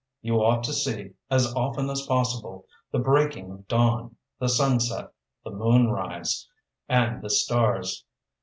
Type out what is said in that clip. You ought to see, as often as possible, the breaking of dawn, the sunset, the moonrise, and the stars.